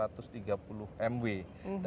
dan itu dipenuhi oleh